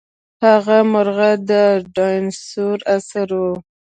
هغه مرغه د ډاینسور عصر وو.